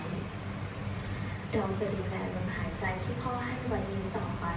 เราจะดูแลลมหายใจที่พ่อให้วันนี้ต่อไป